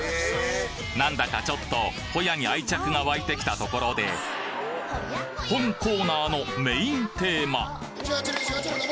なんだかちょっとホヤに愛着が湧いてきたところで本コーナーのメインテーマ！